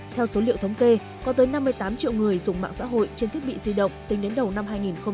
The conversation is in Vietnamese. theo số liệu thống kê có tới năm mươi tám triệu người dùng mạng xã hội trên thiết bị di động tính đến đầu năm hai nghìn một mươi chín